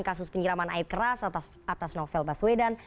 kasus penyiraman air keras atas novel baswedan